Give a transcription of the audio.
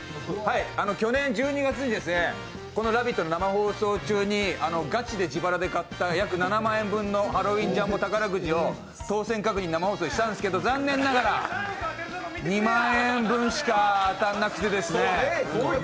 去年１２月にこの「ラヴィット！」の生放送中にがちで自腹で買った約７万円分のハロウィンジャンボ宝くじの当選確認、生放送でしたんですけど残念ながら２万円分しか当たらなくて。